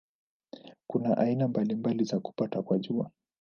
Kuna aina mbalimbali za kupatwa kwa Jua.